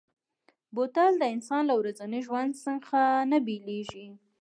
بوتل د انسان له ورځني ژوند څخه نه بېلېږي.